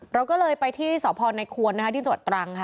เราก็เลยไปที่สอพรในควรนะคะดินสวดตรังค่ะ